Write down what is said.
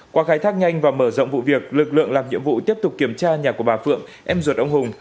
qua khai thác nhanh và mở rộng vụ việc lực lượng làm nhiệm vụ tiếp tục kiểm tra nhà của bà phượng em ruột ông hùng